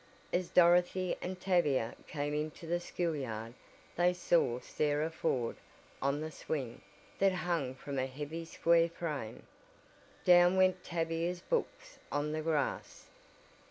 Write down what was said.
As Dorothy and Tavia came into the schoolyard they saw Sarah Ford on the swing, that hung from a heavy square frame. Down went Tavia's books on the grass.